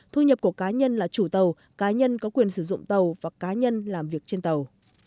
thu nhập của cá nhân là chủ tàu cá nhân có quyền sử dụng tàu và cá nhân làm việc trên tàu